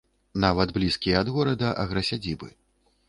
Нават блізкія ад горада аграсядзібы.